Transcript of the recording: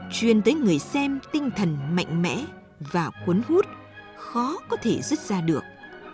chuyên tới người xem tinh thần mạnh mẽ và quấn hút khó có thể dứt ra được